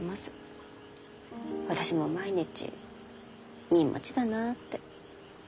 私も毎日いい町だなって。